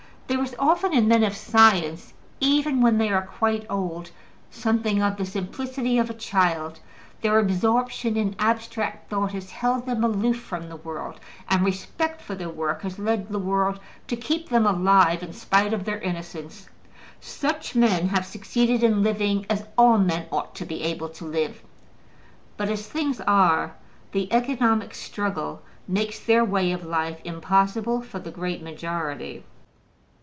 There is often in men of science, even when they are quite old, something of the simplicity of a child: their absorption in abstract thought has held them aloof from the world, and respect for their work has led the world to keep them alive in spite of their innocence. Such men have succeeded in living as all men ought to be able to live; but as things are, the economic struggle makes their way of life impossible for the great majority.